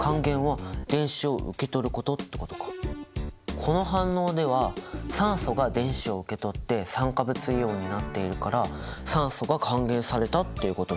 この反応では酸素が電子を受け取って酸化物イオンになっているから酸素が還元されたっていうことになるわけだね。